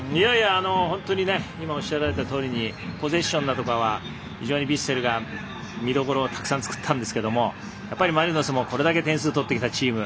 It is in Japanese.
本当に今おっしゃられたとおりでポゼッションなんかは非常にヴィッセルが見どころを作ったんですがやっぱりマリノスもこれだけ点数取ってきたチーム。